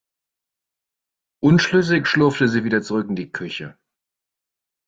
Unschlüssig schlurfte sie wieder zurück in die Küche.